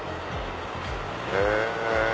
へぇ。